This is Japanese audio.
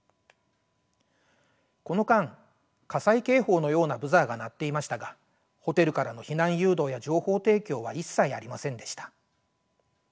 この間火災警報のようなブザーが鳴っていましたがホテルからの避難誘導や情報提供は一切ありませんでした。